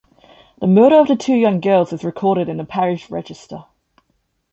The murder of the two young girls is recorded in the Parish Register.